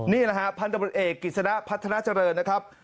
นี่แหละครับพันธุ์ดำเนิดเอกกิจสนักพัฒนาเจริญนะครับ